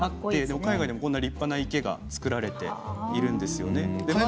海外でもこんな立派な池が造られているんですね。